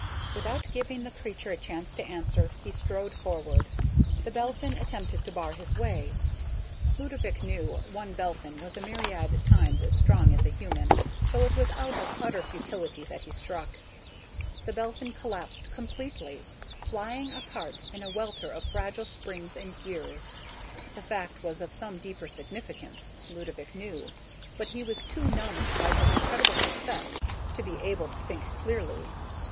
Without giving the creature a chance to answer, he strode forward. The Belphin attempted to bar his way. Ludovick knew one Belphin was a myriad times as strong as a human, so it was out of utter futility that he struck. The Belphin collapsed completely, flying apart in a welter of fragile springs and gears. The fact was of some deeper significance, Ludovick knew, but he was too numbed by his incredible success to be able to think clearly.